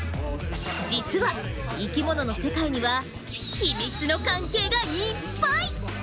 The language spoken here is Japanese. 実は生きものの世界にはヒミツの関係がいっぱい！